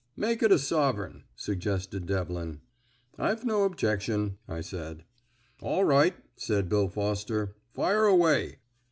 "Make it a sovereign," suggested Devlin. "I've no objection," I said. "All right," said Bill Foster; "fire away."